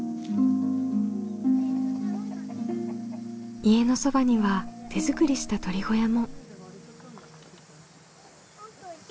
家のそばには手作りした鶏小屋も。